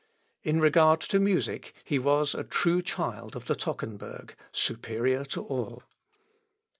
In regard to music, he was a true child of the Tockenburg, superior to all.